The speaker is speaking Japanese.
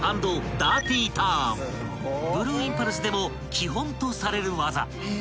［ブルーインパルスでも基本とされる技］